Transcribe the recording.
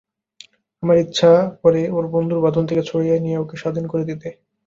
আমার ইচ্ছা করে ওঁর বন্ধুর বাঁধন থেকে ছাড়িয়ে নিয়ে ওঁকে স্বাধীন করে দিতে।